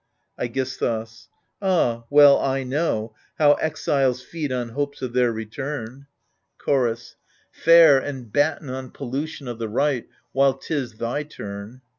iEGISTHUS Ah, well I know how exiles feed on hopes of their return. Chorus Fare and batten on pollution of the right, while 'tis thy turn.